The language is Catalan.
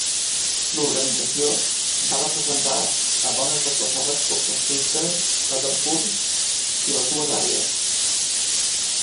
L'organització va representar a dones desplaçades pel conflicte a Darfur i les Dues Àrees.